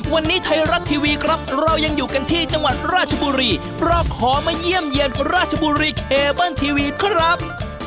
วันนี้ไทยรัฐทีวีครับเรายังอยู่กันที่จังหวัดราชบุรีเราขอมาเยี่ยมเยี่ยมราชบุรีเคเบิ้ลทีวีครับ